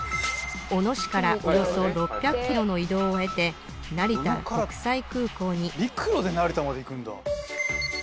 小野市からおよそ６００ｋｍの移動を経て成田国際空港に・陸路で成田まで行くんだ。